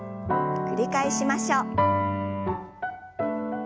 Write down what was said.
繰り返しましょう。